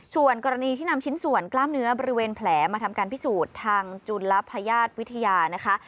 ส่วนกรณีที่นำชิ้นส่วนกล้ามเนื้อบริเวณแผลมาทำการพิสูจน์ทางจุลพญาติวิทยานะคะ